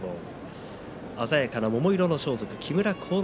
鮮やかな桃色の装束木村晃之